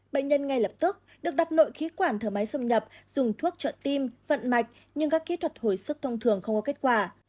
bệnh nhân ngay lập tức được đặt nội khí quản thở máy xâm nhập dùng thuốc trợ tim vận mạch nhưng các kỹ thuật hồi sức thông thường không có kết quả